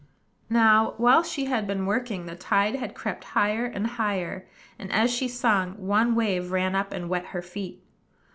Now, while she had been working, the tide had crept higher and higher; and, as she sung, one wave ran up and wet her feet.